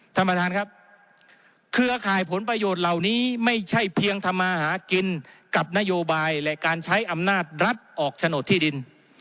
ท่านประธานครับเครือข่ายผลประโยชน์เหล่านี้ไม่ใช่เพียงทำมาหากินกับนโยบายและการใช้อำนาจรัฐออกโฉนดที่ดิน